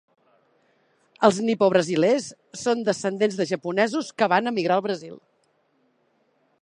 Els nipobrasilers són descendents de japonesos que van emigrar al Brasil.